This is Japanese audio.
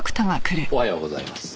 おはようございます。